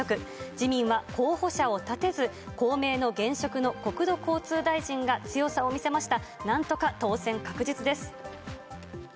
自民は候補者を立てず、公明の現職の国土交通大臣が強さを見せました。